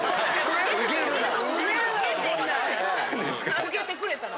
ウゲてくれたら。